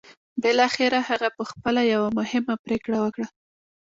بالاخره هغه پخپله یوه مهمه پرېکړه وکړه